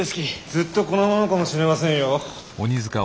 ずっとこのままかもしれませんよ。